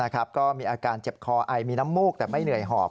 ก็มีอาการเจ็บคอไอมีน้ำมูกแต่ไม่เหนื่อยหอบ